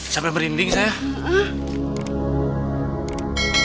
sampai merinding saya